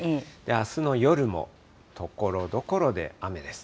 あすの夜も、ところどころで雨です。